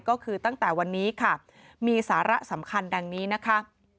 ก็คือตั้งแต่วันนี้ค่ะมีสาระสำคัญดังนี้นะคะ